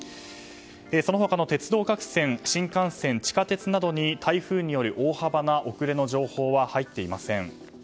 その他の鉄道各線新幹線、地下鉄などに台風による大幅な遅れの情報は入っておりません。